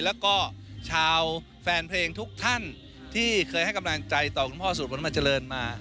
แล้วก็ชาวแฟนเพลงทุกท่านที่เคยให้กำลังใจต่อคุณพ่อสู่ผลมันเจริญมา